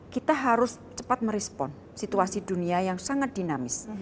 kita harus cepat merespon situasi dunia yang sangat dinamis